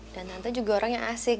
dan tante juga orang yang asik